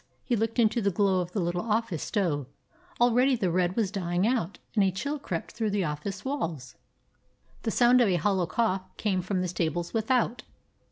He looked into the glow of the little office stove. Already the red was dying out, and a chill crept through the office walls. The sound of a hollow cough came from the stables without.